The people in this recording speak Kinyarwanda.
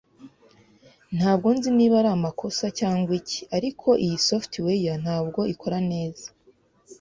Ntabwo nzi niba ari amakosa cyangwa iki, ariko iyi software ntabwo ikora neza.